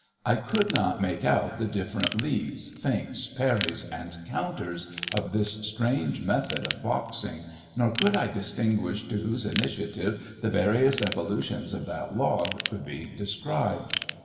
I could not make out the different leads, feints, parries, and counters of this strange method of boxing, nor could I distinguish to whose initiative the various evolutions of that log could be described.